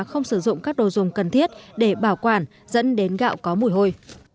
không sử dụng các đồ dùng cần thiết để bảo quản dẫn đến gạo có mùi hôi